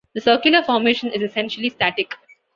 The circular formation is essentially static.